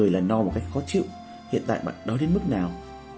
một mươi là no một cách khó chịu hiện tại bạn đói đến mức nào